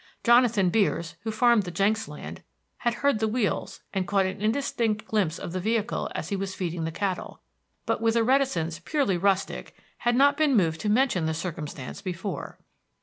Jonathan Beers, who farmed the Jenks land, had heard the wheels and caught an indistinct glimpse of the vehicle as he was feeding the cattle, but with a reticence purely rustic had not been moved to mention the circumstance before.